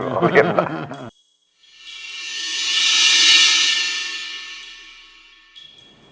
เออพ่อเล่นแบบ